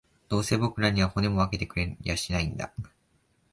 どうせ僕らには、骨も分けてくれやしないんだ